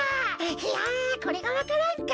いやこれがわか蘭か。